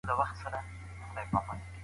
د هند مغولي امپراتورۍ